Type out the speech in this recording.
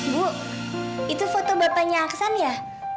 bu itu foto bapaknya aksan ya